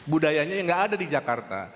budayanya yang nggak ada di jakarta